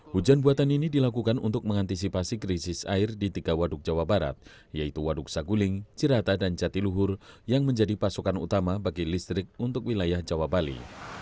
hujan buatan ini dilakukan untuk mengantisipasi krisis air di tiga waduk jawa barat yaitu waduk saguling cirata dan jatiluhur yang menjadi pasokan utama bagi listrik untuk wilayah jawa bali